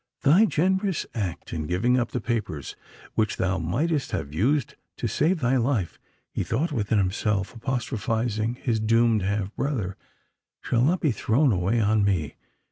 "Thy generous act in giving up the papers which thou mightest have used to save thy life," he thought within himself, apostrophising his doomed half brother, "shall not be thrown away on me!